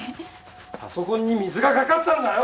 パソコンに水が掛かったんだよ！